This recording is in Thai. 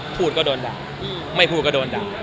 พูดก็โดนด่าไม่พูดก็โดนด่า